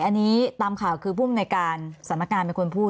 อันนี้ตามข่าวคือผู้อำนวยการสำนักงานเป็นคนพูด